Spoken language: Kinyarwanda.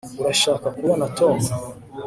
urashaka kubona tom